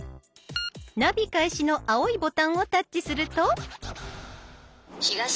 「ナビ開始」の青いボタンをタッチすると。